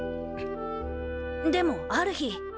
でもある日。